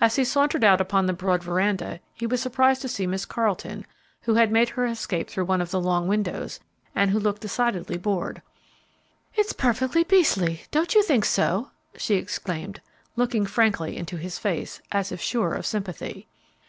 As he sauntered out upon the broad veranda, he was surprised to see Miss Carleton, who had made her escape through one of the long windows, and who looked decidedly bored. "It's perfectly beastly! Don't you think so?" she exclaimed, looking frankly into his face, as if sure of sympathy.